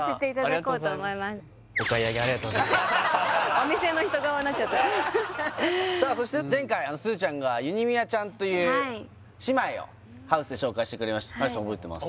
お店の人側になっちゃったさあそして前回すずちゃんがゆにみあちゃんという姉妹をハウスで紹介してくれました有吉さん覚えてます？